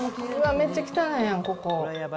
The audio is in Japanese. めっちゃ汚いやん、ここ。